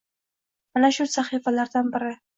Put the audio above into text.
Mana, shu sahifalardan biri: